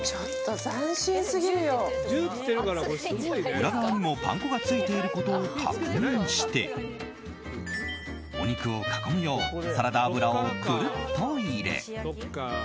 裏側にも、パン粉がついていることを確認してお肉を囲むようサラダ油をくるっと入れ